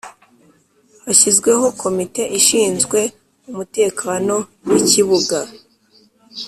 Hashyizweho Komite ishinzwe Umutekano w ‘Ikibuga.